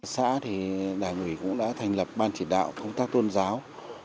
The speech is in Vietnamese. xã thì đảng ủy cũng đã thành lập ban chỉ đạo công tác tôn giáo